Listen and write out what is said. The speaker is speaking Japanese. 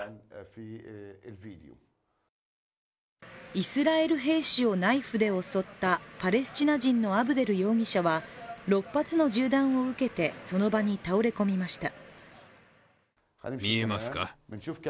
イスラエル兵士をナイフで襲ったパレスチナ人のアブデル容疑者は、６発の銃弾を受けてその場に倒れ込みました。